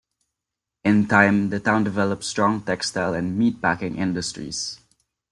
In time the town developed strong textile and meat-packing industries.